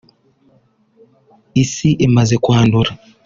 isi imaze kwandura